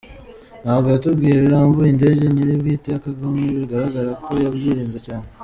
Ntabwo yatubwiye birambuye indege nyiri bwite ya Kagame bigaragara ko yabyirinze cyane…